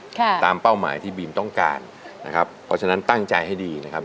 ค่ะตามเป้าหมายที่บีมต้องการนะครับเพราะฉะนั้นตั้งใจให้ดีนะครับ